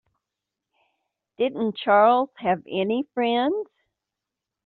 Didn't Charles have any friends?